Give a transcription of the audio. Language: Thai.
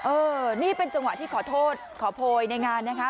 เออนี่เป็นจังหวะที่ขอโทษขอโพยในงานนะคะ